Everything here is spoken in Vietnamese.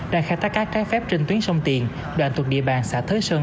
đang khai thác cát trái phép trên tuyến sông tiền đoạn thuộc địa bàn xã thới sơn